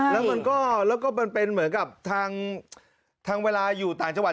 แล้วมันก็มันเป็นเหมือนกับทางเวลาอยู่ต่างจังหวัด